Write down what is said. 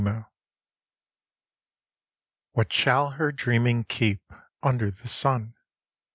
DIRGE What shall her dreaming keep Under the sun?